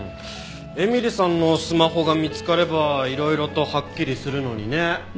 絵美里さんのスマホが見つかればいろいろとはっきりするのにね。